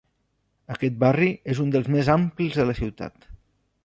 Aquest barri és un dels més amplis de la ciutat.